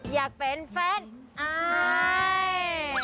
อยากเป็นแฟนอาย